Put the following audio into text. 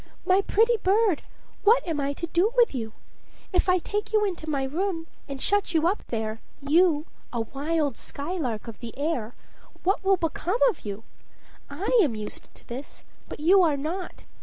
"My pretty bird, what am I to do with you? If I take you into my room and shut you up there, you, a wild skylark of the air, what will become of you? I am used to this, but you are not.